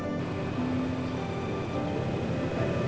tama itu udah meninggal